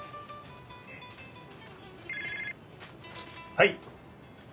はい。